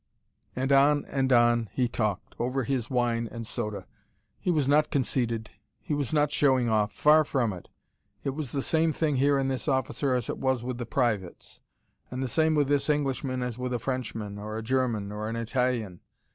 And on and on he talked, over his wine and soda. He was not conceited he was not showing off far from it. It was the same thing here in this officer as it was with the privates, and the same with this Englishman as with a Frenchman or a German or an Italian.